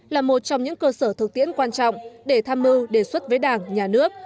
là một trong những cơ sở thực tiễn quan trọng để tham mưu đề xuất với đảng nhà nước